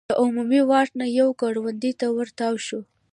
له عمومي واټ نه یوې کروندې ته ور تاو شو.